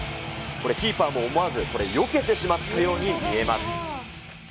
これ、キーパーも思わずこれよけてしまったように見えます。